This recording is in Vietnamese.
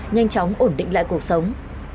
nhanh chóng ổn định lại cuộc sống